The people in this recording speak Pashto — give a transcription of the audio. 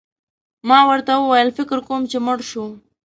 ما ورته وویل: فکر کوم چي مړ شو.